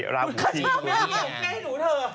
ชอบแล้วให้หนูเถอะ